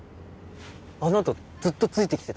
あのあとずっとついてきてたの？